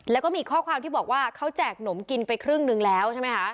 แล้วก็มีข้อความที่บอกว่าเขาแจกหนมกินไปครึ่งนึงแล้วใช่ไหมคะ